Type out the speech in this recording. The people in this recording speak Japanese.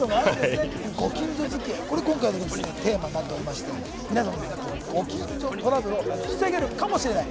ご近所づきあい、今回のテーマになっておりまして、皆様、このご近所トラブルを防げるかもしれない。